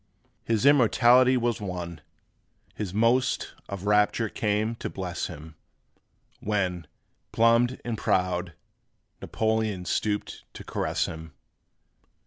His immortality was won, His most of rapture came to bless him, When, plumed and proud, Napoleon Stooped to caress him.